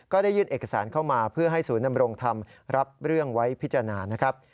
ได้ยื่นเอกสารเข้ามาเพื่อให้ศูนย์นำรงธรรมรับเรื่องไว้พิจารณานะครับ